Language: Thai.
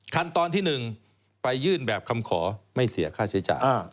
ขั้นตอนที่๑ไปยื่นแบบคำขอไม่เสียค่าใช้จ่าย